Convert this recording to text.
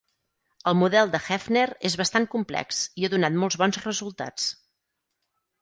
El model de Hefner és bastant complex i ha donat molt bons resultats.